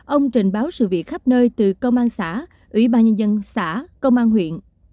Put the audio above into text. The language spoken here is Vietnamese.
ông trình báo sự việc khắp nơi từ công an xã ủy ban nhân dân xã công an huyện